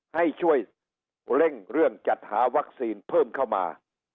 ให้ช่วยเร่งเรื่องจัดหาวัคซีนเพิ่มเข้ามา